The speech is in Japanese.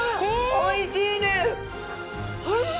おいしい。